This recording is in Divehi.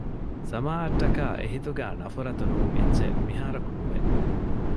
ސަމާއަށްޓަކައި އެހިތުގައި ނަފުރަތު ނޫން އެއްޗެއް މިހާރަކު ނުވެ